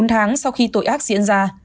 bốn tháng sau khi tội ác diễn ra